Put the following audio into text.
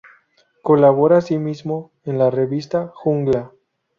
Colabora asimismo en la revista "Jungla".